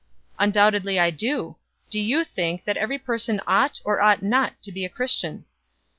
"Undoubtedly I do. Do you think that every person ought or ought not to be a Christian?"